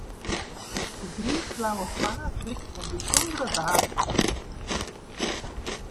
Dy griisblauwe faas blykt fan bysûndere wearde te wêze.